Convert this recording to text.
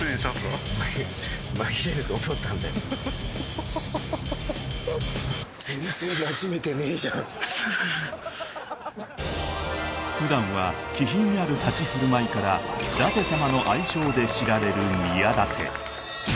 ハハハハ普段は気品ある立ち振る舞いから「舘様」の愛称で知られる宮舘